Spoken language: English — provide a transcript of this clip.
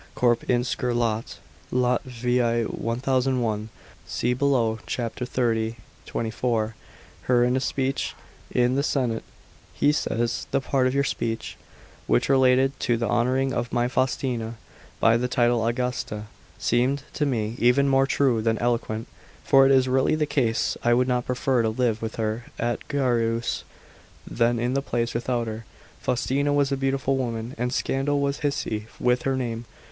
(Corp. Inscr. Lot vi. 1001.) f S«e below, Chap. XXX. $ 24. 138 161 A.D. FAUSTINA. 529 her in a speech in the senate, he says :" The part of your s| eech which related to the honouring of my Faustina [by the title Augusta] seemed to me even more true than eloquent. For it is really the case. I would prefer to live with her at Gyaros, than in the palace without her." Faustina was a beautiful woman, and scandal was hisy with her name.